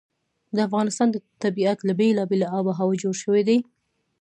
د افغانستان طبیعت له بېلابېلې آب وهوا جوړ شوی دی.